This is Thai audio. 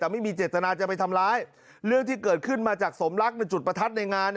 แต่ไม่มีเจตนาจะไปทำร้ายเรื่องที่เกิดขึ้นมาจากสมรักในจุดประทัดในงาน